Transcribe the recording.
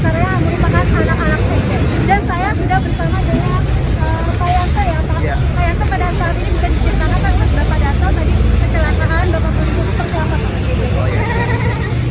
kenapa enggak bapak daso tadi kecelakaan bapak polisi itu terjahat